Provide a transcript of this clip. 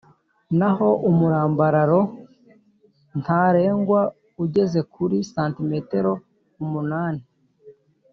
naho umurambararo ntarengwa ugeze kuri santimetero umunani